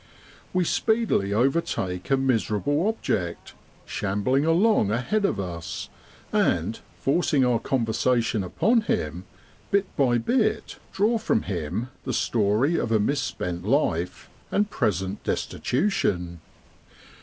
We speedily overtake a miserable object, shambling along ahead of us, and forc ing our conversation upon him, bit by bit draw from him the story of a misspent life and present destitution.